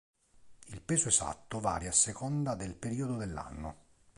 Il peso esatto varia a seconda del periodo dell'anno.